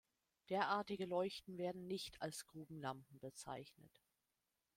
Derartige Leuchten werden nicht als "Grubenlampen" bezeichnet.